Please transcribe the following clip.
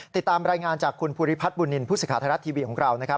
ติดตามรายงานจากคุณภูริพัฒน์บุญนินพุศิษฐรรถทีวีของเรา